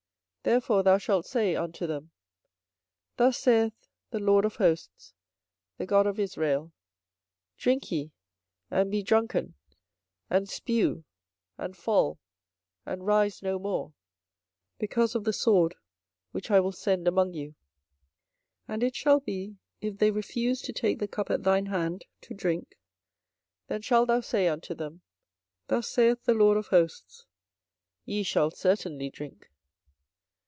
24:025:027 Therefore thou shalt say unto them, Thus saith the LORD of hosts, the God of Israel; Drink ye, and be drunken, and spue, and fall, and rise no more, because of the sword which I will send among you. 24:025:028 And it shall be, if they refuse to take the cup at thine hand to drink, then shalt thou say unto them, Thus saith the LORD of hosts; Ye shall certainly drink.